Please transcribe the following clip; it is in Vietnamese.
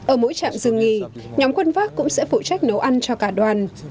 ở mỗi trạm dương nghi nhóm khuân pháp cũng sẽ phụ trách nấu ăn cho cả đoàn